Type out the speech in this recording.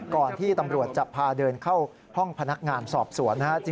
ก่อนที่ตำรวจจะพาเดินเข้าห้องพนักงานสอบสวนนะครับ